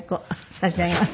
差し上げます。